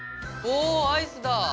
おアイスだ！